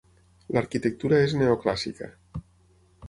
L'arquitectura és neoclàssica.